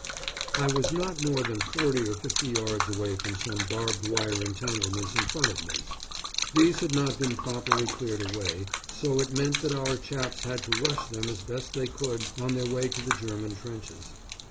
I was not more than forty or fifty yards away from some barbed wire entanglements in front of me. These had not been properly cleared away, so it meant that our chaps had to rush them as best they could on their way to the German trenches.